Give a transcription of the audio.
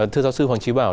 thưa giáo sư hoàng trí bảo